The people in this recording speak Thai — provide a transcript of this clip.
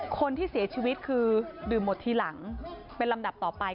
คนที่เสียชีวิตคือดื่มหมดทีหลังเป็นลำดับต่อไป